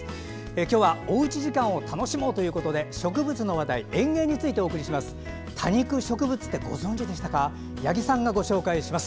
今日はおうち時間を楽しもうということで植物の話題、園芸についてお伝えします。